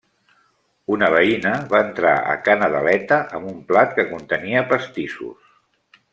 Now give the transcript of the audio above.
Una veïna va entrar a Ca Nadaleta amb un plat que contenia pastissos.